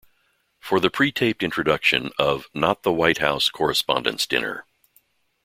for the pre-taped introduction of Not the White House Correspondents’ Dinner.